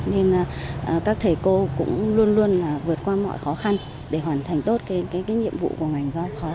nên các thầy cô cũng luôn luôn vượt qua mọi khó khăn để hoàn thành tốt nhiệm vụ của mình